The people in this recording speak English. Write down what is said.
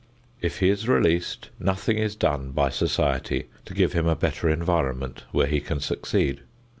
If he is released, nothing is done by society to give him a better environment where he can succeed.